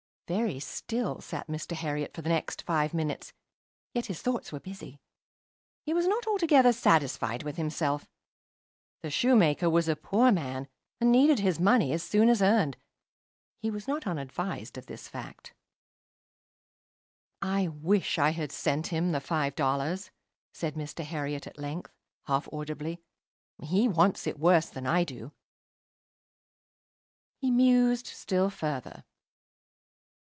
Very still sat Mr. Herriot for the next five minutes; yet his thoughts were busy. He was not altogether satisfied with himself. The shoemaker was a poor man, and needed his money as soon as earned he was not unadvised of this fact. "I wish I had sent him the five dollars," said Mr. Herriot, at length, half audibly. "He wants it worse than I do." He mused still further.